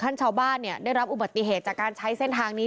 ชาวบ้านเนี่ยได้รับอุบัติเหตุจากการใช้เส้นทางนี้